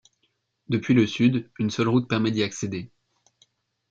Depuis le sud, une seule route permet d'y accéder.